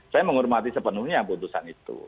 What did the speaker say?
saya menghormati sepenuhnya putusan itu